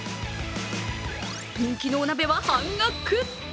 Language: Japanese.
人気のお鍋は半額。